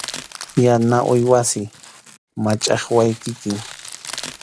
Yana uywasi, machʼaqway kikin.